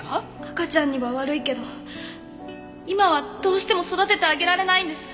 赤ちゃんには悪いけど今はどうしても育ててあげられないんです。